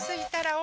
「お」？